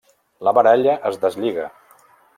La baralla es deslliga.